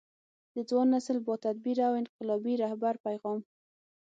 د ځوان نسل با تدبیره او انقلابي رهبر پیغام